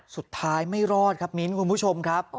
สุดท้ายไม่รอดครับมีนคุณผู้ชมครับ